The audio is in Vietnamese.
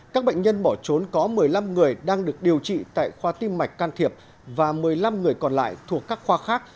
các bệnh nhân bỏ trốn có một mươi năm người đang được điều trị tại khoa tim mạch can thiệp và một mươi năm người còn lại thuộc các khoa khác